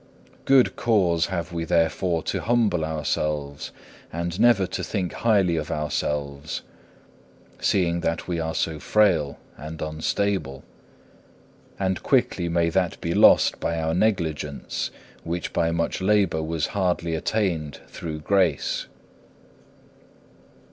Good cause have we therefore to humble ourselves, and never to think highly of ourselves, seeing that we are so frail and unstable. And quickly may that be lost by our negligence, which by much labour was hardly attained through grace.